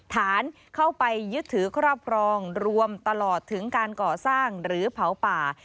ฐานเข้าไปยึดถือครอบครองรวมตลอดถึงการก่อสร้างหรือเผาป่า